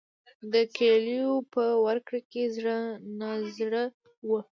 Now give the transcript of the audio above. د کیلیو په ورکړه کې زړه نازړه و.